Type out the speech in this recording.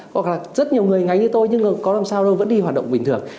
hoặc là rất nhiều người ngáy như tôi nhưng có làm sao tôi vẫn đi hoạt động bình thường